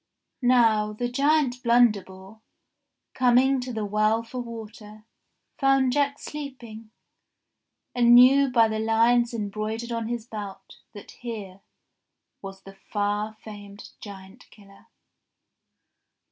Now the giant Blunderbore, coming to the well for water, found Jack sleeping, and knew by the lines embroidered on JACK THE GIANT KILLER 8i his belt that here was the far famed giant killer.